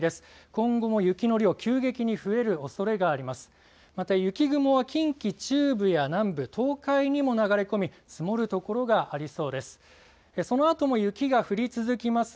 今後も雪の量、急激に増えるおそれがあります。